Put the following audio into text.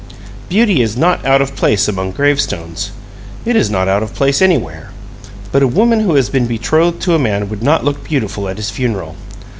Beauty is not out of place among grave stones. It is not out of place anywhere. But a woman who has been betrothed to a man would not look beautiful at his funeral.